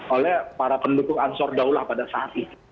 oleh para penduduk ansar daulah pada saat itu